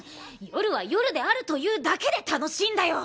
夜は夜であるというだけで楽しいんだよ！